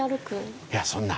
いやそんな。